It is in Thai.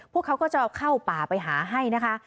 พวกเขาก็จะเอาเข้าป่าไปหาให้นะคะ